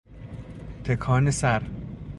تکان سر